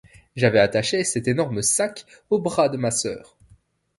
J'avais attaché cet énorme sac au bras de ma soeur.